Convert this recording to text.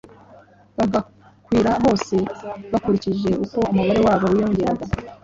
bagakwira hose bakurikije uko umubare wabo wiyongaraga,